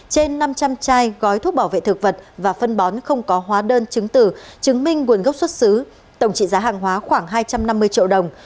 trên năm trăm linh chai gói thuốc bảo vệ thực vật và phân bón không có hóa đơn chứng tử chứng minh nguồn gốc xuất xứ tổng trị giá hàng hóa khoảng hai trăm năm mươi triệu đồng